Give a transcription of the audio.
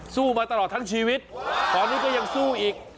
มาตลอดทั้งชีวิตตอนนี้ก็ยังสู้อีก